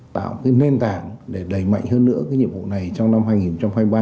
tạo nền tảng để đẩy mạnh hơn nữa nhiệm vụ này trong năm hai nghìn hai mươi ba